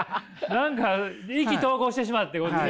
何か意気投合してしまってこっちで。